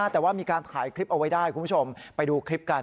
แต่ว่ามีการถ่ายคลิปเอาไว้ได้คุณผู้ชมไปดูคลิปกัน